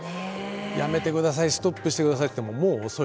「やめてくださいストップしてください」って言ってももう遅い。